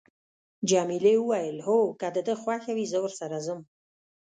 جميلې وويل: هو، که د ده خوښه وي، زه ورسره ځم.